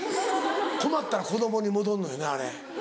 困ったら子供に戻んのよねあれ。